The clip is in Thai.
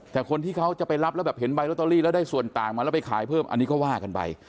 แต่คนที่เขาจะไปรับแล้วแบบเห็นใบลอตเตอรี่แล้วได้ส่วนต่างมาแล้วไปขายเพิ่มอันนี้ก็ว่ากันไป